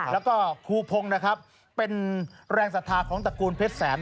แล้วก็ครูพงศ์นะครับเป็นแรงศรัทธาของตระกูลเพชรแสน